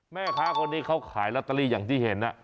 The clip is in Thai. แม่ค้าคนนี้เขาขายลอตเตอรี่อย่างที่เห็น